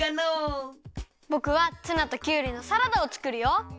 ぼくはツナときゅうりのサラダをつくるよ。